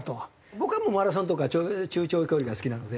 僕はもうマラソンとか中長距離が好きなので。